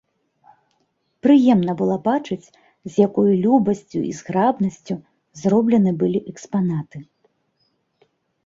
Прыемна было бачыць, з якою любасцю і зграбнасцю зроблены былі экспанаты.